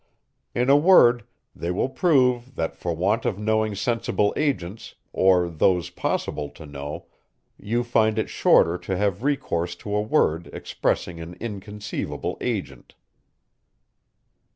In a word, they will prove, that, for want of knowing sensible agents, or those possible to know, you find it shorter to have recourse to a word, expressing an inconceivable agent.